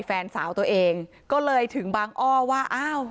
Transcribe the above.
แฟนสาวตัวเองก็เลยถึงบางอ้อว่าอ้าว